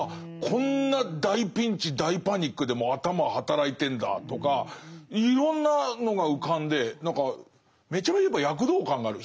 こんな大ピンチ大パニックでも頭働いてんだとかいろんなのが浮かんで何かめちゃめちゃやっぱ躍動感がある。